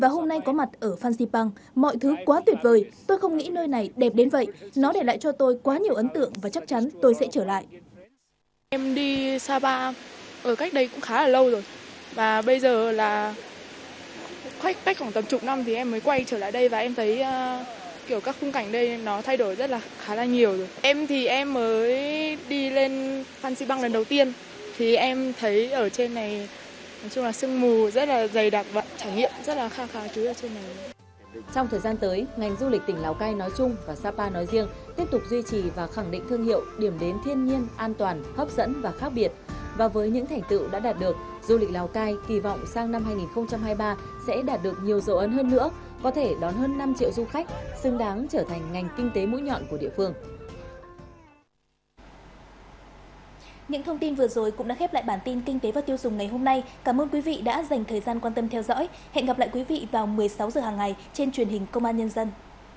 hẹn gặp lại quý vị vào một mươi sáu h hàng ngày trên truyền hình công an nhân dân